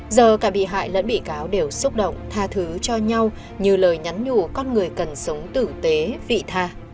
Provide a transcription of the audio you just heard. giờ cả bị hại lẫn bị cáo đều xúc động tha thứ cho nhau như lời nhắn nhủ con người cần sống tử tế vị tha